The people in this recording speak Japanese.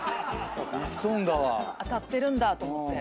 当たってるんだと思って。